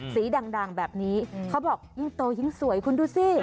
ดังแบบนี้เขาบอกยิ่งโตยิ่งสวยคุณดูสิ